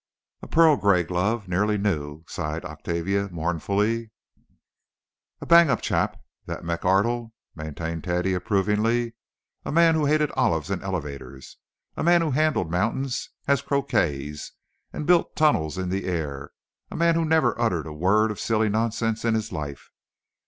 "A pearl gray glove, nearly new," sighed Octavia, mournfully. "A bang up chap, that McArdle," maintained Teddy approvingly. "A man who hated olives and elevators; a man who handled mountains as croquettes, and built tunnels in the air; a man who never uttered a word of silly nonsense in his life.